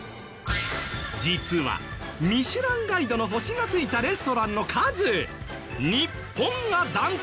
実は『ミシュランガイド』の星が付いたレストランの数日本がダントツ。